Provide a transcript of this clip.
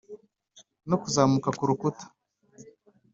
no kuzamuka kurukuta